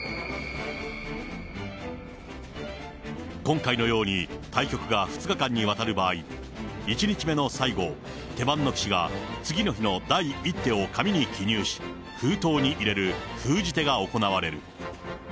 今回のように、対局が２日間にわたる場合、１日目の最後、手番の棋士が次の日の第１手を紙に記入し、封筒に入れる封じ手が行われる。